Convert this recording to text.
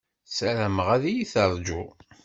Ssarameɣ ad iyi-teṛju.